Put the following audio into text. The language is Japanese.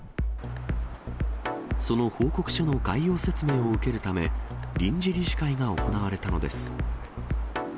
その報告書の概要説明を受けるため、臨時理事会が行われたのです。